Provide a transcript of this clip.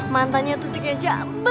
mantannya tuh si geja